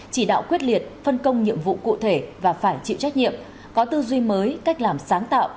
chỉ đạo quyết liệt phân công nhiệm vụ cụ thể và phải chịu trách nhiệm có tư duy mới cách làm sáng tạo